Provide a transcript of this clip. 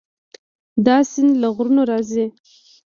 دا سیند له غرونو راځي.